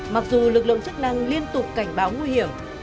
mặc dù lực lượng chức năng liên tục cảnh báo nguy hiểm